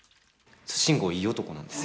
慎吾いい男なんです。